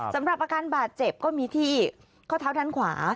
สำหรับอาการบาดเจ็บก็มีที่ข้อเท้าด้านขวา